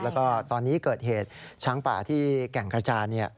แล้วก็ตอนนี้เกิดเหตุช้างป่าที่แก่งกระจาน